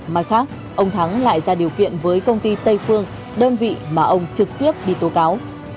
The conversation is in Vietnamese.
mặt khác ông thắng lại ra điều kiện với công ty tây phương đơn vị mà ông trực tiếp đi tố cáo